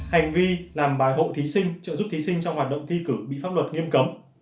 hành vi làm bài hộ thí sinh trợ giúp thí sinh trong hoạt động thi cử bị pháp luật nghiêm cấm